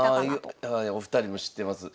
お二人も知ってます。